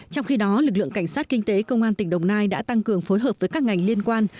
trong khi đó lực lượng cảnh sát kinh tế công an tỉnh đồng nai đã tăng cường phối hợp với các ngành liên quan